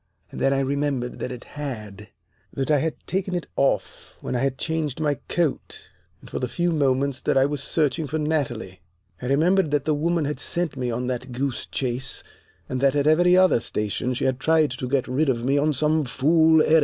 And then I remembered that it had that I had taken it off when I had changed my coat and for the few moments that I was searching for Natalie. I remembered that the woman had sent me on that goose chase, and that at every other station she had tried to get rid of me on some fool errand.